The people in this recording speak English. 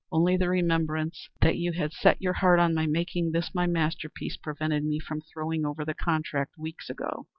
Only the remembrance that you had set your heart on my making this my masterpiece, prevented me from throwing over the contract weeks ago.